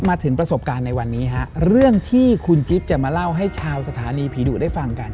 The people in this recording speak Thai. มาถึงประสบการณ์ในวันนี้ฮะเรื่องที่คุณจิ๊บจะมาเล่าให้ชาวสถานีผีดุได้ฟังกัน